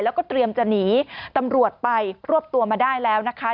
แล้วก็เตรียมจะหนีตำรวจไปรวบตัวมาได้แล้วนะคะ